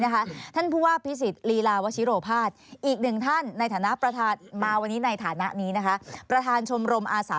เข้าข่ายไม่เข้าข่าย